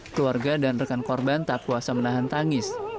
keluarga dan rekan korban tak kuasa menahan tangis